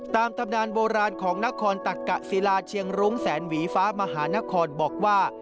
ตำนานโบราณของนครตักกะศิลาเชียงรุ้งแสนหวีฟ้ามหานครบอกว่า